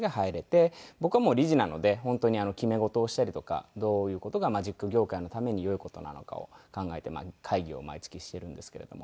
僕は理事なので本当に決め事をしたりとかどういう事がマジック業界のためによい事なのかを考えて会議を毎月しているんですけれども。